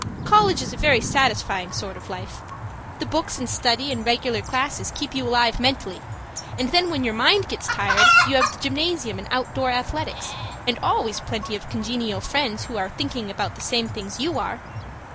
College is a very satisfying sort of life; the books and study and regular classes keep you alive mentally, and then when your mind gets tired, you have the gymnasium and outdoor athletics, and always plenty of congenial friends who are thinking about the same things you are.